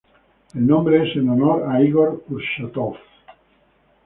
El nombre es en honor a Ígor Kurchátov.